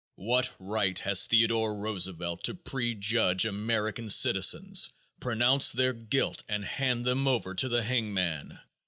What right has Theodore Roosevelt to prejudge American citizens, pronounce their guilt and hand them over to the hangman?